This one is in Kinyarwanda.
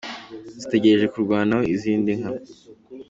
zitegereje kugurwamo izindi nka.